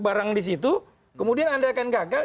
barang di situ kemudian anda akan gagal